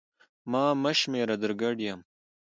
ما مه شمېره در ګډ یم